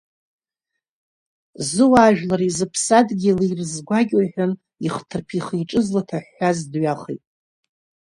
Зуаажәлари зыԥсадгьыли ирызгәакьоу, — иҳәан ихҭырԥа ихиҿы злаҭаҳәҳәаз дҩахеит.